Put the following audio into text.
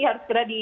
harus segera di